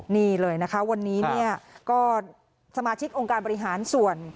นี่เลยนะคะวันนี้เนี่ยก็สมาชิกองค์การบริหารส่วน